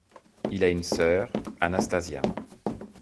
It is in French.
Il a une sœur, Anastasia.